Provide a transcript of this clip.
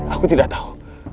aku tidak tahu